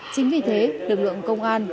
chính vì thế lực lượng công an